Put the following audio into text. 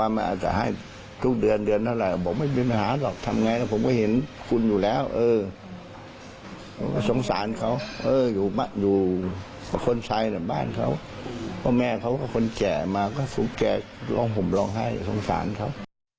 เพราะแม่เขาก็คนแจกมาก็สูงแจกลองผมลองให้สงสารเขา